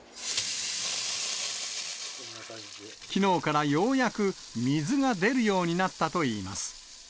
きのうからようやく水が出るようになったといいます。